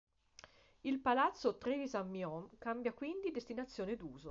Il Palazzo Trevisan Mion cambia quindi destinazione d'uso.